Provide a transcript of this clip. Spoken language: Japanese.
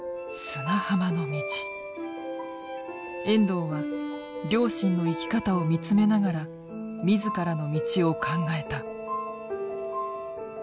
遠藤は両親の生き方を見つめながら自らの道を考えた。